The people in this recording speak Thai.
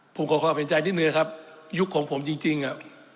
ผมขอความเป็นใจนิดนึงครับยุคของผมจริงจริงอ่ะ